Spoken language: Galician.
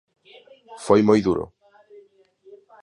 Foi moi duro.